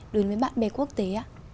với bạn bè quốc tế ạ